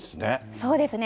そうですね。